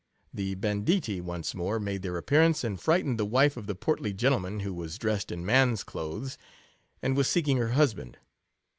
The banditti once more made their appearance, and frightened the wife of the portly gentleman, who was dressed in man's clothes, and was seeking her husband.